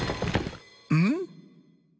うん？